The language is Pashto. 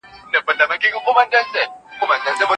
د جېلونو یا سپرې دوامداره کارول وېښتې خرابوي.